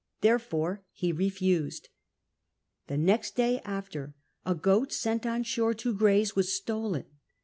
Therefore he refused. The day after, a goat sent on shore to graze was stolen.